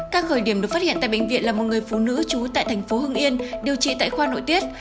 các khởi điểm được phát hiện tại bệnh viện là một người phụ nữ trú tại thành phố hưng yên điều trị tại khoa nội tiết